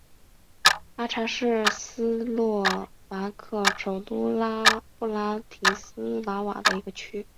拉察是斯洛伐克首都布拉提斯拉瓦的一个区。